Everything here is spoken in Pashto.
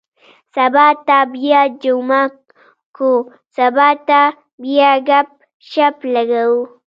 سبا ته بیا جمعه کُو. سبا ته بیا ګپ- شپ لګوو.